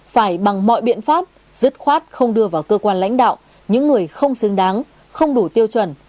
phải bằng mọi biện pháp dứt khoát không đưa vào cơ quan lãnh đạo những người không xứng đáng không đủ tiêu chuẩn